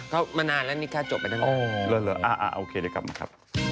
ใช่มาจากปอร์จูเนิร์นอ่ะละ